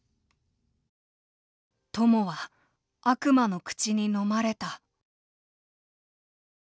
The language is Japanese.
友は悪魔の口に飲まれた。